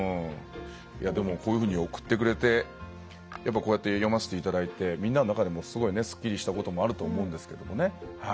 でもこういうふうに送ってくれて読ませていただいてみんなの中でもすごいすっきりしたこともあると思うんですけどね。